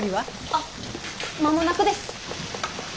あっ間もなくです。